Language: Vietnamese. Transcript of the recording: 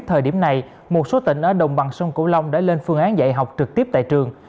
thời điểm này một số tỉnh ở đồng bằng sông cửu long đã lên phương án dạy học trực tiếp tại trường